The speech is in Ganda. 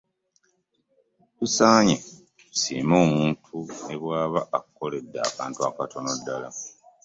Tusaanye tusiime omuntu ne bw'aba akukoledde akantu katono ddala.